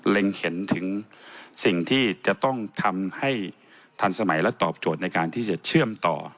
เห็นถึงสิ่งที่จะต้องทำให้ทันสมัยและตอบโจทย์ในการที่จะเชื่อมต่อ